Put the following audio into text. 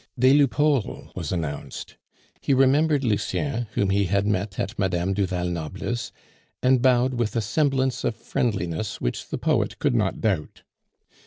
Des Lupeaulx was announced. He remembered Lucien, whom he had met at Mme. du Val Noble's, and bowed with a semblance of friendliness which the poet could not doubt.